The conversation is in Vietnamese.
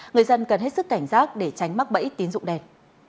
người dân cần hết sức cảnh giác để tránh mắc bẫy tín dụng đen